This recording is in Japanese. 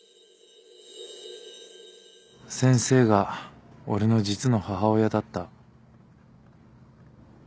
先生が俺の実の母親だった。